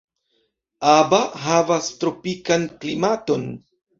Aba havas tropikan klimaton.